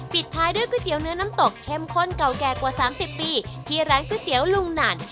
ปิดท้ายด้วยก๋วยเตี๋ยเนื้อน้ำตกเข้มข้นเก่าแก่กว่า๓๐ปีที่ร้านก๋วยเตี๋ยวลุงหนัน